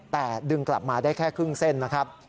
แต่ดึงกลับมาได้แค่ครึ่งเส้นนะครับ